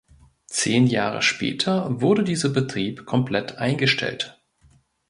Zehn Jahre später wurde dieser Betrieb komplett eingestellt.